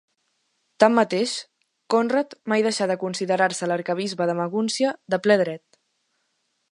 Tanmateix, Conrad mai deixà de considerar-se l'arquebisbe de Magúncia de ple dret.